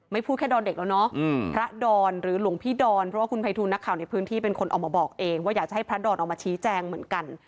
พูดแค่ดอนเด็กแล้วเนาะพระดอนหรือหลวงพี่ดอนเพราะว่าคุณภัยทูลนักข่าวในพื้นที่เป็นคนออกมาบอกเองว่าอยากจะให้พระดอนออกมาชี้แจงเหมือนกัน